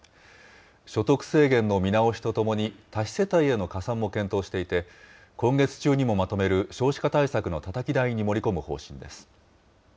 所得制限の見直しとともに、多子世帯への加算も検討していて、今月中にもまとめる少子化対策のたたき台に盛り込む方針です。